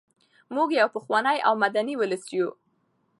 موږ یو پخوانی او مدني ولس یو.